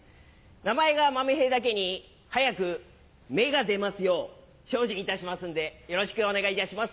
名前がまめ平だけに早く芽が出ますよう精進いたしますんでよろしくお願いいたします。